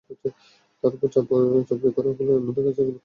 তাঁর ওপর চাপ প্রয়োগ করার ফলে অন্যদের কাছে একধরনের বার্তা যাচ্ছে।